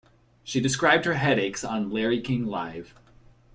She described her headaches on "Larry King Live".